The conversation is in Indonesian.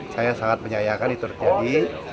saya sangat menyayangkan itu terjadi